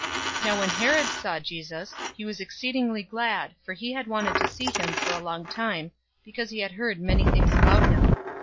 023:008 Now when Herod saw Jesus, he was exceedingly glad, for he had wanted to see him for a long time, because he had heard many things about him.